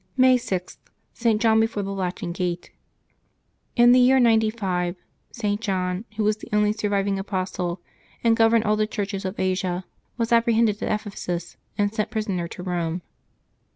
May 6.— ST. JOHN BEFORE THE LATIN GATE. T^N the year 95, St. John, who was the only surviving ^ apostle, and governed all the churches of Asia, was apprehended at Ephesus, and sent prisoner to Rome.